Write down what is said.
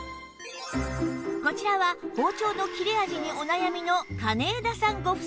こちらは包丁の切れ味にお悩みの金枝さんご夫妻